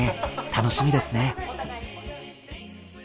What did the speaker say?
楽しみですね。